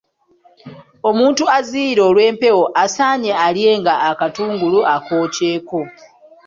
Omuntu aziyira olw'empewo asaanye alyenga akatungulu akookyeko.